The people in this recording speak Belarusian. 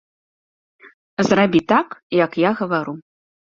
Зрабі так, як я гавару.